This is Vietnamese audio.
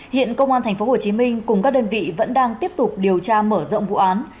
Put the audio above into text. hiện công an tp hcm cùng các đơn vị vẫn đang tiếp tục điều tra mở rộng vụ án